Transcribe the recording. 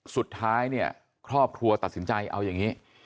สุดท้ายเนี่ยครอบครัวตัดสินใจเอาอย่างนี้